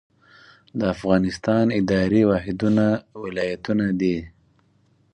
د افغانستان اداري واحدونه ولایتونه دي